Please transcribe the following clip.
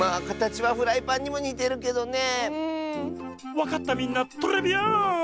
わかったみんなトレビアーン！